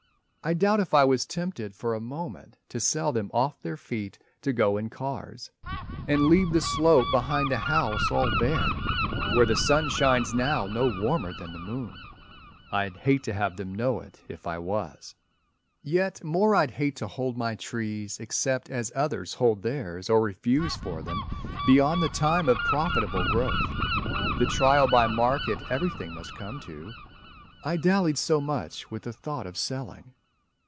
I doubt if I was tempted for a moment To sell them off their feet to go in cars And leave the slope behind the house all bare, Where the sun shines now no warmer than the moon. I'd hate to have them know it if I was. Yet more I'd hate to hold my trees except As others hold theirs or refuse for them, Beyond the time of profitable growth, The trial by market everything must come to. I dallied so much with the thought of selling.